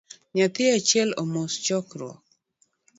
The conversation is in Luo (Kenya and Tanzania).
Nyathi achiel omos chokruok